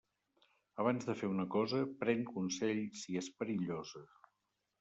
Abans de fer una cosa, pren consell si és perillosa.